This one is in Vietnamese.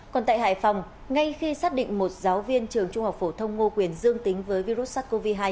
còn tại hải phòng ngay khi xác định một giáo viên trường trung học phổ thông ngô quyền dương tính với virus sars cov hai